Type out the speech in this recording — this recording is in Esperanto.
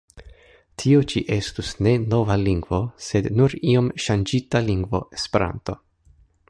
Tio ĉi estus ne nova lingvo, sed nur iom ŝanĝita lingvo Esperanto!